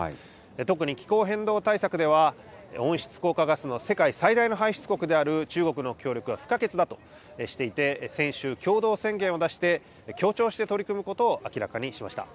特に気候変動対策では、温室効果ガスの世界最大の排出国である中国の協力は不可欠だとしていて、先週、共同宣言を出して、協調して取り組むことを明らかにしました。